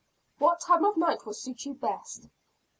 "What time of night will suit you best?"